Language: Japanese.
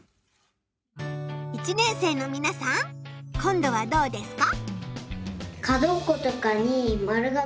１年生のみなさん今度はどうですか？